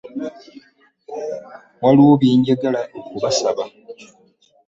Waliwo bye njagala okubasaba.